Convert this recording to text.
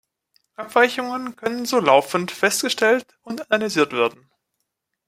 Abweichungen können so laufend festgestellt und analysiert werden.